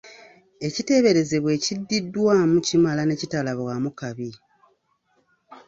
Ekiteeberezebwa ekiddiddwamu kimala ne kitalabwamu kabi.